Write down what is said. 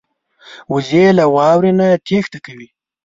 وزې له واورو نه تېښته کوي